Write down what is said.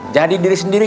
jadi diri sendiri